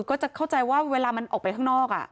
ก็จะเข้าใจว่าเวลามันออกไปข้างนอก